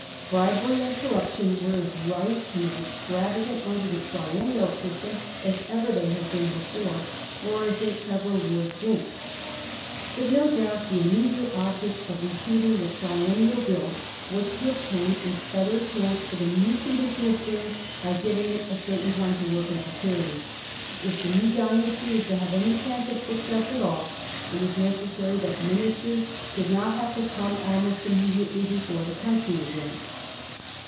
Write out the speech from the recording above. Bribery and corruption were as rife and as extravagant under the triennial system as ever they had been before, or as they ever were since. But no doubt the immediate object of repeal ing the Triennial Bill was to obtain a better chance for the new condition of things by giving it a certain time to work in security. K the new dynasty was to have any chance of success at all, it was necessary that ministers should not have to come almost imme diately before the country again.